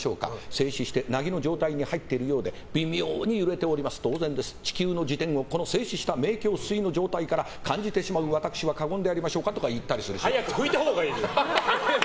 静止して凪の状態に入っているようで微妙に揺れております、当然です地球の自転を静止した明鏡止水の状態から感じてしまう私は過言でありましょうかって言ったりするし。